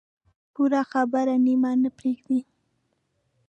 پوره خبره نیمه نه پرېږده.